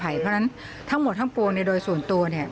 เพราะฉะนั้นทั้งหมดทั้งปวงโดยส่วนตัว